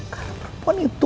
karena perempuan itu